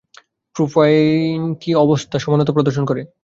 Propyne কি অবস্থান সমানুতা প্রদর্শন করে?